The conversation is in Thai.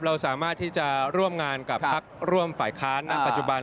เราสามารถที่จะร่วมงานกับพักร่วมฝ่ายค้านณปัจจุบัน